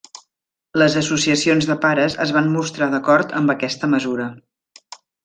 Les associacions de pares es van mostrar d'acord amb aquesta mesura.